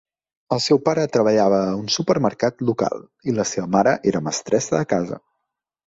El seu pare treballava a un supermercat local i la seva mare era mestressa de casa.